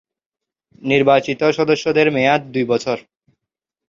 নির্বাচিত সদস্যদের মেয়াদ দুই বছর।